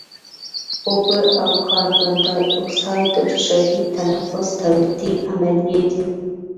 اوبه او کاربن دای اکساید د حجروي تنفس تولیدي عملیې دي.